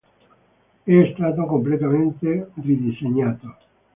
È stato completamente ridisegnato.